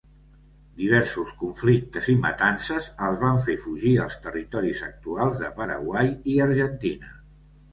Diversos conflictes i matances els van fer fugir als territoris actuals de Paraguai i Argentina.